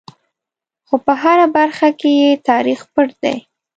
خو په هره برخه کې یې تاریخ پټ دی.